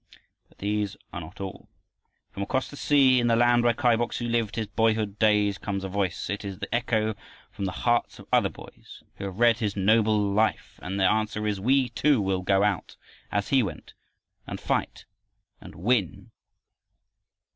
But these are not all. From far across the sea, in the land where Kai Bok su lived his boyhood days, comes a voice. It is the echo from the hearts of other boys, who have read his noble life. And their answer is, "We too will go out, as he went, and fight and win!"